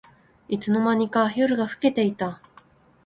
いつの間にか夜が更けていた